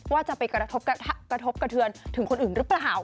ว่าจะไปกระทบกระเทือนถึงคนอื่นหรือเปล่า